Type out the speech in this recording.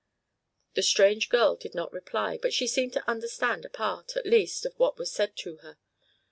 The strange girl did not reply, but she seemed to understand a part, at least, of what was said to her.